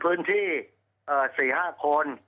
พื้นที่เอ่อ๔๕คน